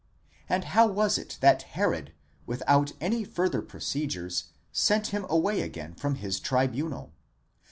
and how was it that Herod, without any further procedures, sent him away again from his tribunal?